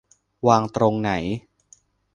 วางตรงไหน